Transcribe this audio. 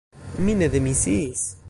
Mi ne demisiis.